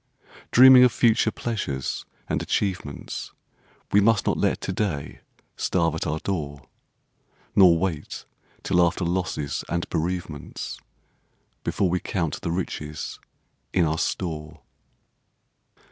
Dreaming of future pleasures and achievements We must not let to day starve at our door; Nor wait till after losses and bereavements Before we count the riches in our store.